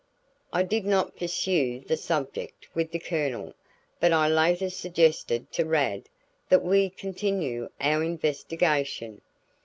I did not pursue the subject with the Colonel, but I later suggested to Rad that we continue our investigation.